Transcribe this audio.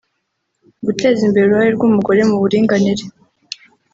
’’ Guteza imbere uruhare rw’umugore mu buringanire’’